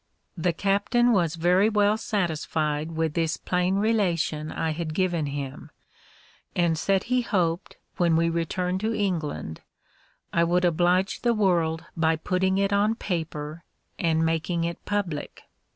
The captain was very well satisfied with this plain relation I had given him, and said he hoped, when we returned to England, I would oblige the world by putting it on paper, and making it public.